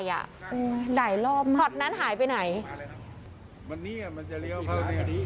อือหลายรอบช็อตนั้นหายไปไหนมาเลยครับมันนี่อ่ะมันจะเลี้ยวเข้าซึ่งอันนี้